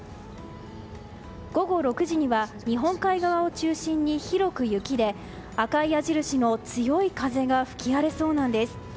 午後６時には日本海側を中心に広く雪で赤い矢印の強い風が吹き荒れそうなんです。